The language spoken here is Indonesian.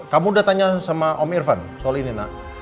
kamu udah tanya sama om irvan soal ini nak